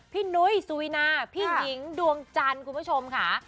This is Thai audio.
นุ้ยสุวินาพี่หญิงดวงจันทร์คุณผู้ชมค่ะ